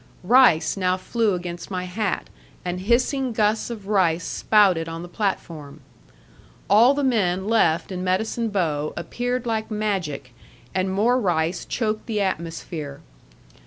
Rice now flew against my hat, and hissing gusts of rice spouted on the platform. All the men left in Medicine Bow appeared like magic, and more rice choked the atmosphere.